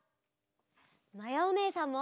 まやおねえさんも。